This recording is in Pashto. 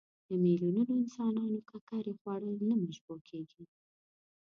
د میلیونونو انسانانو ککرې خوړل نه مشبوع کېږي.